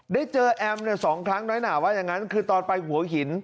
ได้เจอแอมสองครั้งน้อยหนาว่าอย่างนั้นคือตอนไปหัวหิน